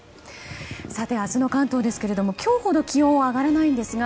明日の関東ですが今日ほど気温は上がらないんですが